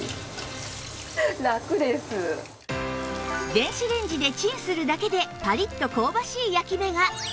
電子レンジでチンするだけでパリッと香ばしい焼き目が